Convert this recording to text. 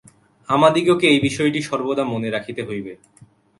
আমাদিগকে এই বিষয়টি সর্বদা মনে রাখিতে হইবে।